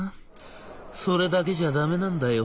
それだけじゃ駄目なんだよ。